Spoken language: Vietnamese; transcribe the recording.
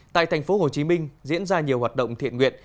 tại tp hcm diễn ra nhiều hoạt động thiện nguyện